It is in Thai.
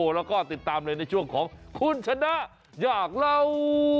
แล้วก็ติดตามเลยในช่วงของคุณชนะอยากเล่า